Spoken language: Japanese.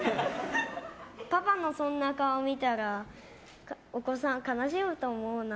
パパのそんな顔見たらお子さん悲しむと思うな。